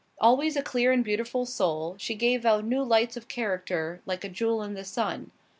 Always a clear and beautiful soul, she gave out new lights of character like a jewel in the sun.